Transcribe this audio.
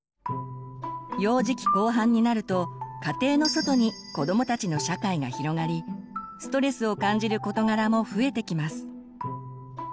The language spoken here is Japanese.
幼児期後半になると家庭の外に子どもたちの社会が広がりストレスを感じる事柄も増えてきます。